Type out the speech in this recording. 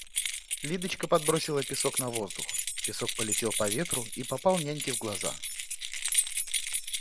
Лидочка подбросила песок на воздух, песок полетел по ветру и попал няньке в глаза.